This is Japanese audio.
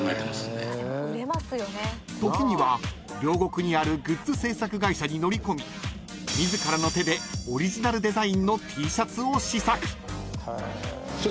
［時には両国にあるグッズ制作会社に乗り込み自らの手でオリジナルデザインのＴシャツを試作］